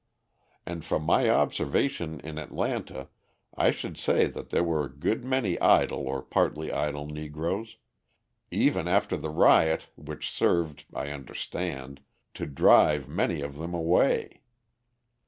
And from my observation in Atlanta, I should say that there were good many idle or partly idle Negroes even after the riot, which served, I understand, to drive many of them away.